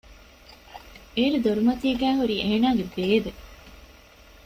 އޭރު ދޮރުމަތީގައި ހުރީ އޭނަގެ ބޭބޭ